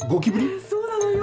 そうなのよ。